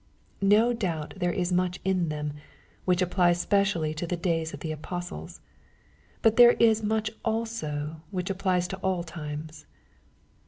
No doubt there is much in them, which applies specially to the days of the apostles. But there is much also which applies to al] times.